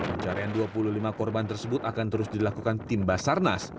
pencarian dua puluh lima korban tersebut akan terus dilakukan tim basarnas